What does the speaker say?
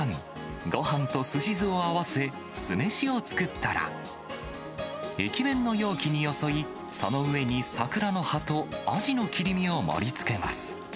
ごはんとすし酢を合わせ、酢飯を作ったら、駅弁の容器によそい、その上に桜の葉とアジの切り身を盛りつけます。